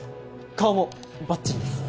顔もバッチリです